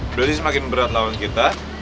berarti semakin berat lawan kita